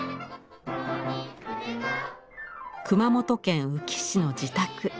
熊本県宇城市の自宅。